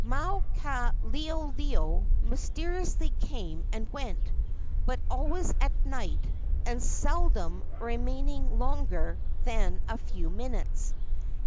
Maukaleoleo mysteriously came and went, but always at night, and seldom remaining longer than a few minutes.